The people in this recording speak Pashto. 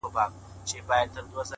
• پر ملا دي کړوپ کړم زمانه خوار سې ,